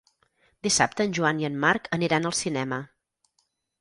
Dissabte en Joan i en Marc aniran al cinema.